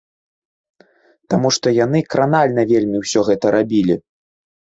Таму што яны кранальна вельмі ўсё гэта рабілі.